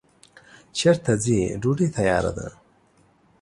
چیرته ځی ډوډی تیاره ده